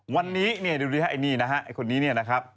วันนี้ดูดิค่ะไอ้นี่คนนี้นะครับ